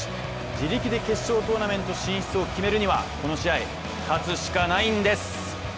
自力で決勝トーナメント進出を決めるにはこの試合、勝つしかないんです。